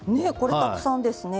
たくさんですね。